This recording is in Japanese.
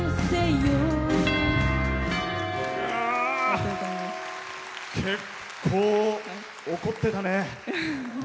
結構、怒ってたね。